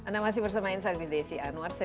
disini dipakai olehiteduk negara lepas